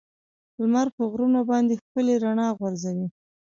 لمر په غرونو باندې ښکلي رڼا غورځوي.